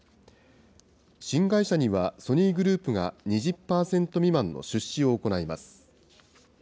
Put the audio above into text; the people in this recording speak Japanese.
新会社には、ソニーグループが２０％未満の出資を行います。